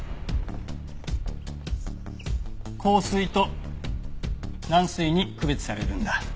硬水と軟水に区別されるんだ。